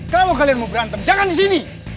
kalau kalian mau berantem jangan disini